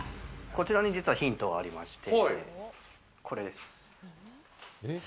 こちらに実はヒントがありまして、これです。